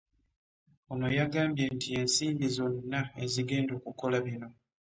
Ono yagambye nti ensimbi zonna ezigenda okukola bino